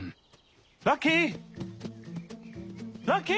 ラッキー？